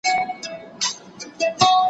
زه به اوږده موده د درسونو يادونه کړې وم!